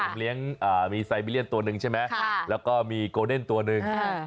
ผมเลี้ยงมีไซบิเลียนตัวหนึ่งใช่ไหมแล้วก็มีโกเดนตัวหนึ่ง